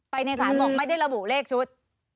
ในศาลบอกไม่ได้ระบุเลขชุด